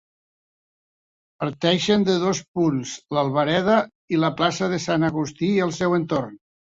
Parteixen de dos punts: l'Albereda i la plaça de Sant Agustí i el seu entorn.